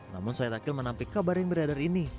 namun said akil menampik kabar yang beredar ini